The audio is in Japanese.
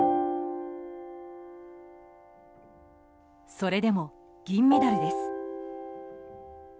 それでも銀メダルです。